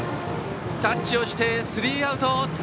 タッチをして、スリーアウト！